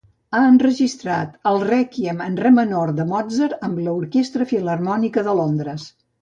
Ha enregistrat el Rèquiem en re menor de Mozart amb l'Orquestra Filharmònica de Londres.